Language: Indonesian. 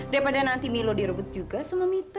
daripada nanti milo direbut juga sama mito